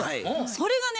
それがね